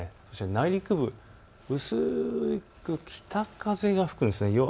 内陸部、薄く北風が吹くんです。